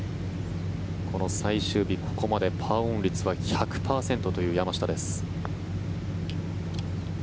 この最終日、ここまでパーオン率は１００％という山下です。